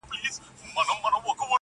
سر خپل ماتوم که د مکتب دروازه ماته کړم,